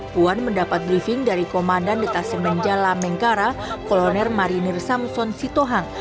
puan mendapat briefing dari komandan detasemen jalamengkara koloner marinir samson sitohang